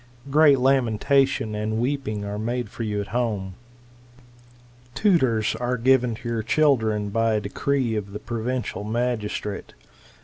Great lamentation and weeping are made foryqju' at home.' Tutors are given to your children by a decree of the provincial magistrate.